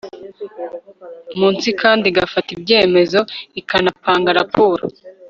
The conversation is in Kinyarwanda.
munsi kandi igafata ibyemezo ikanatanga raporo